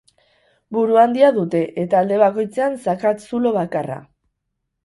Buru handia dute eta alde bakoitzean zakatz zulo bakarra.